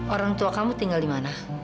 orang tua kamu tinggal dimana